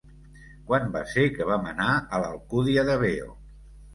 Quan va ser que vam anar a l'Alcúdia de Veo?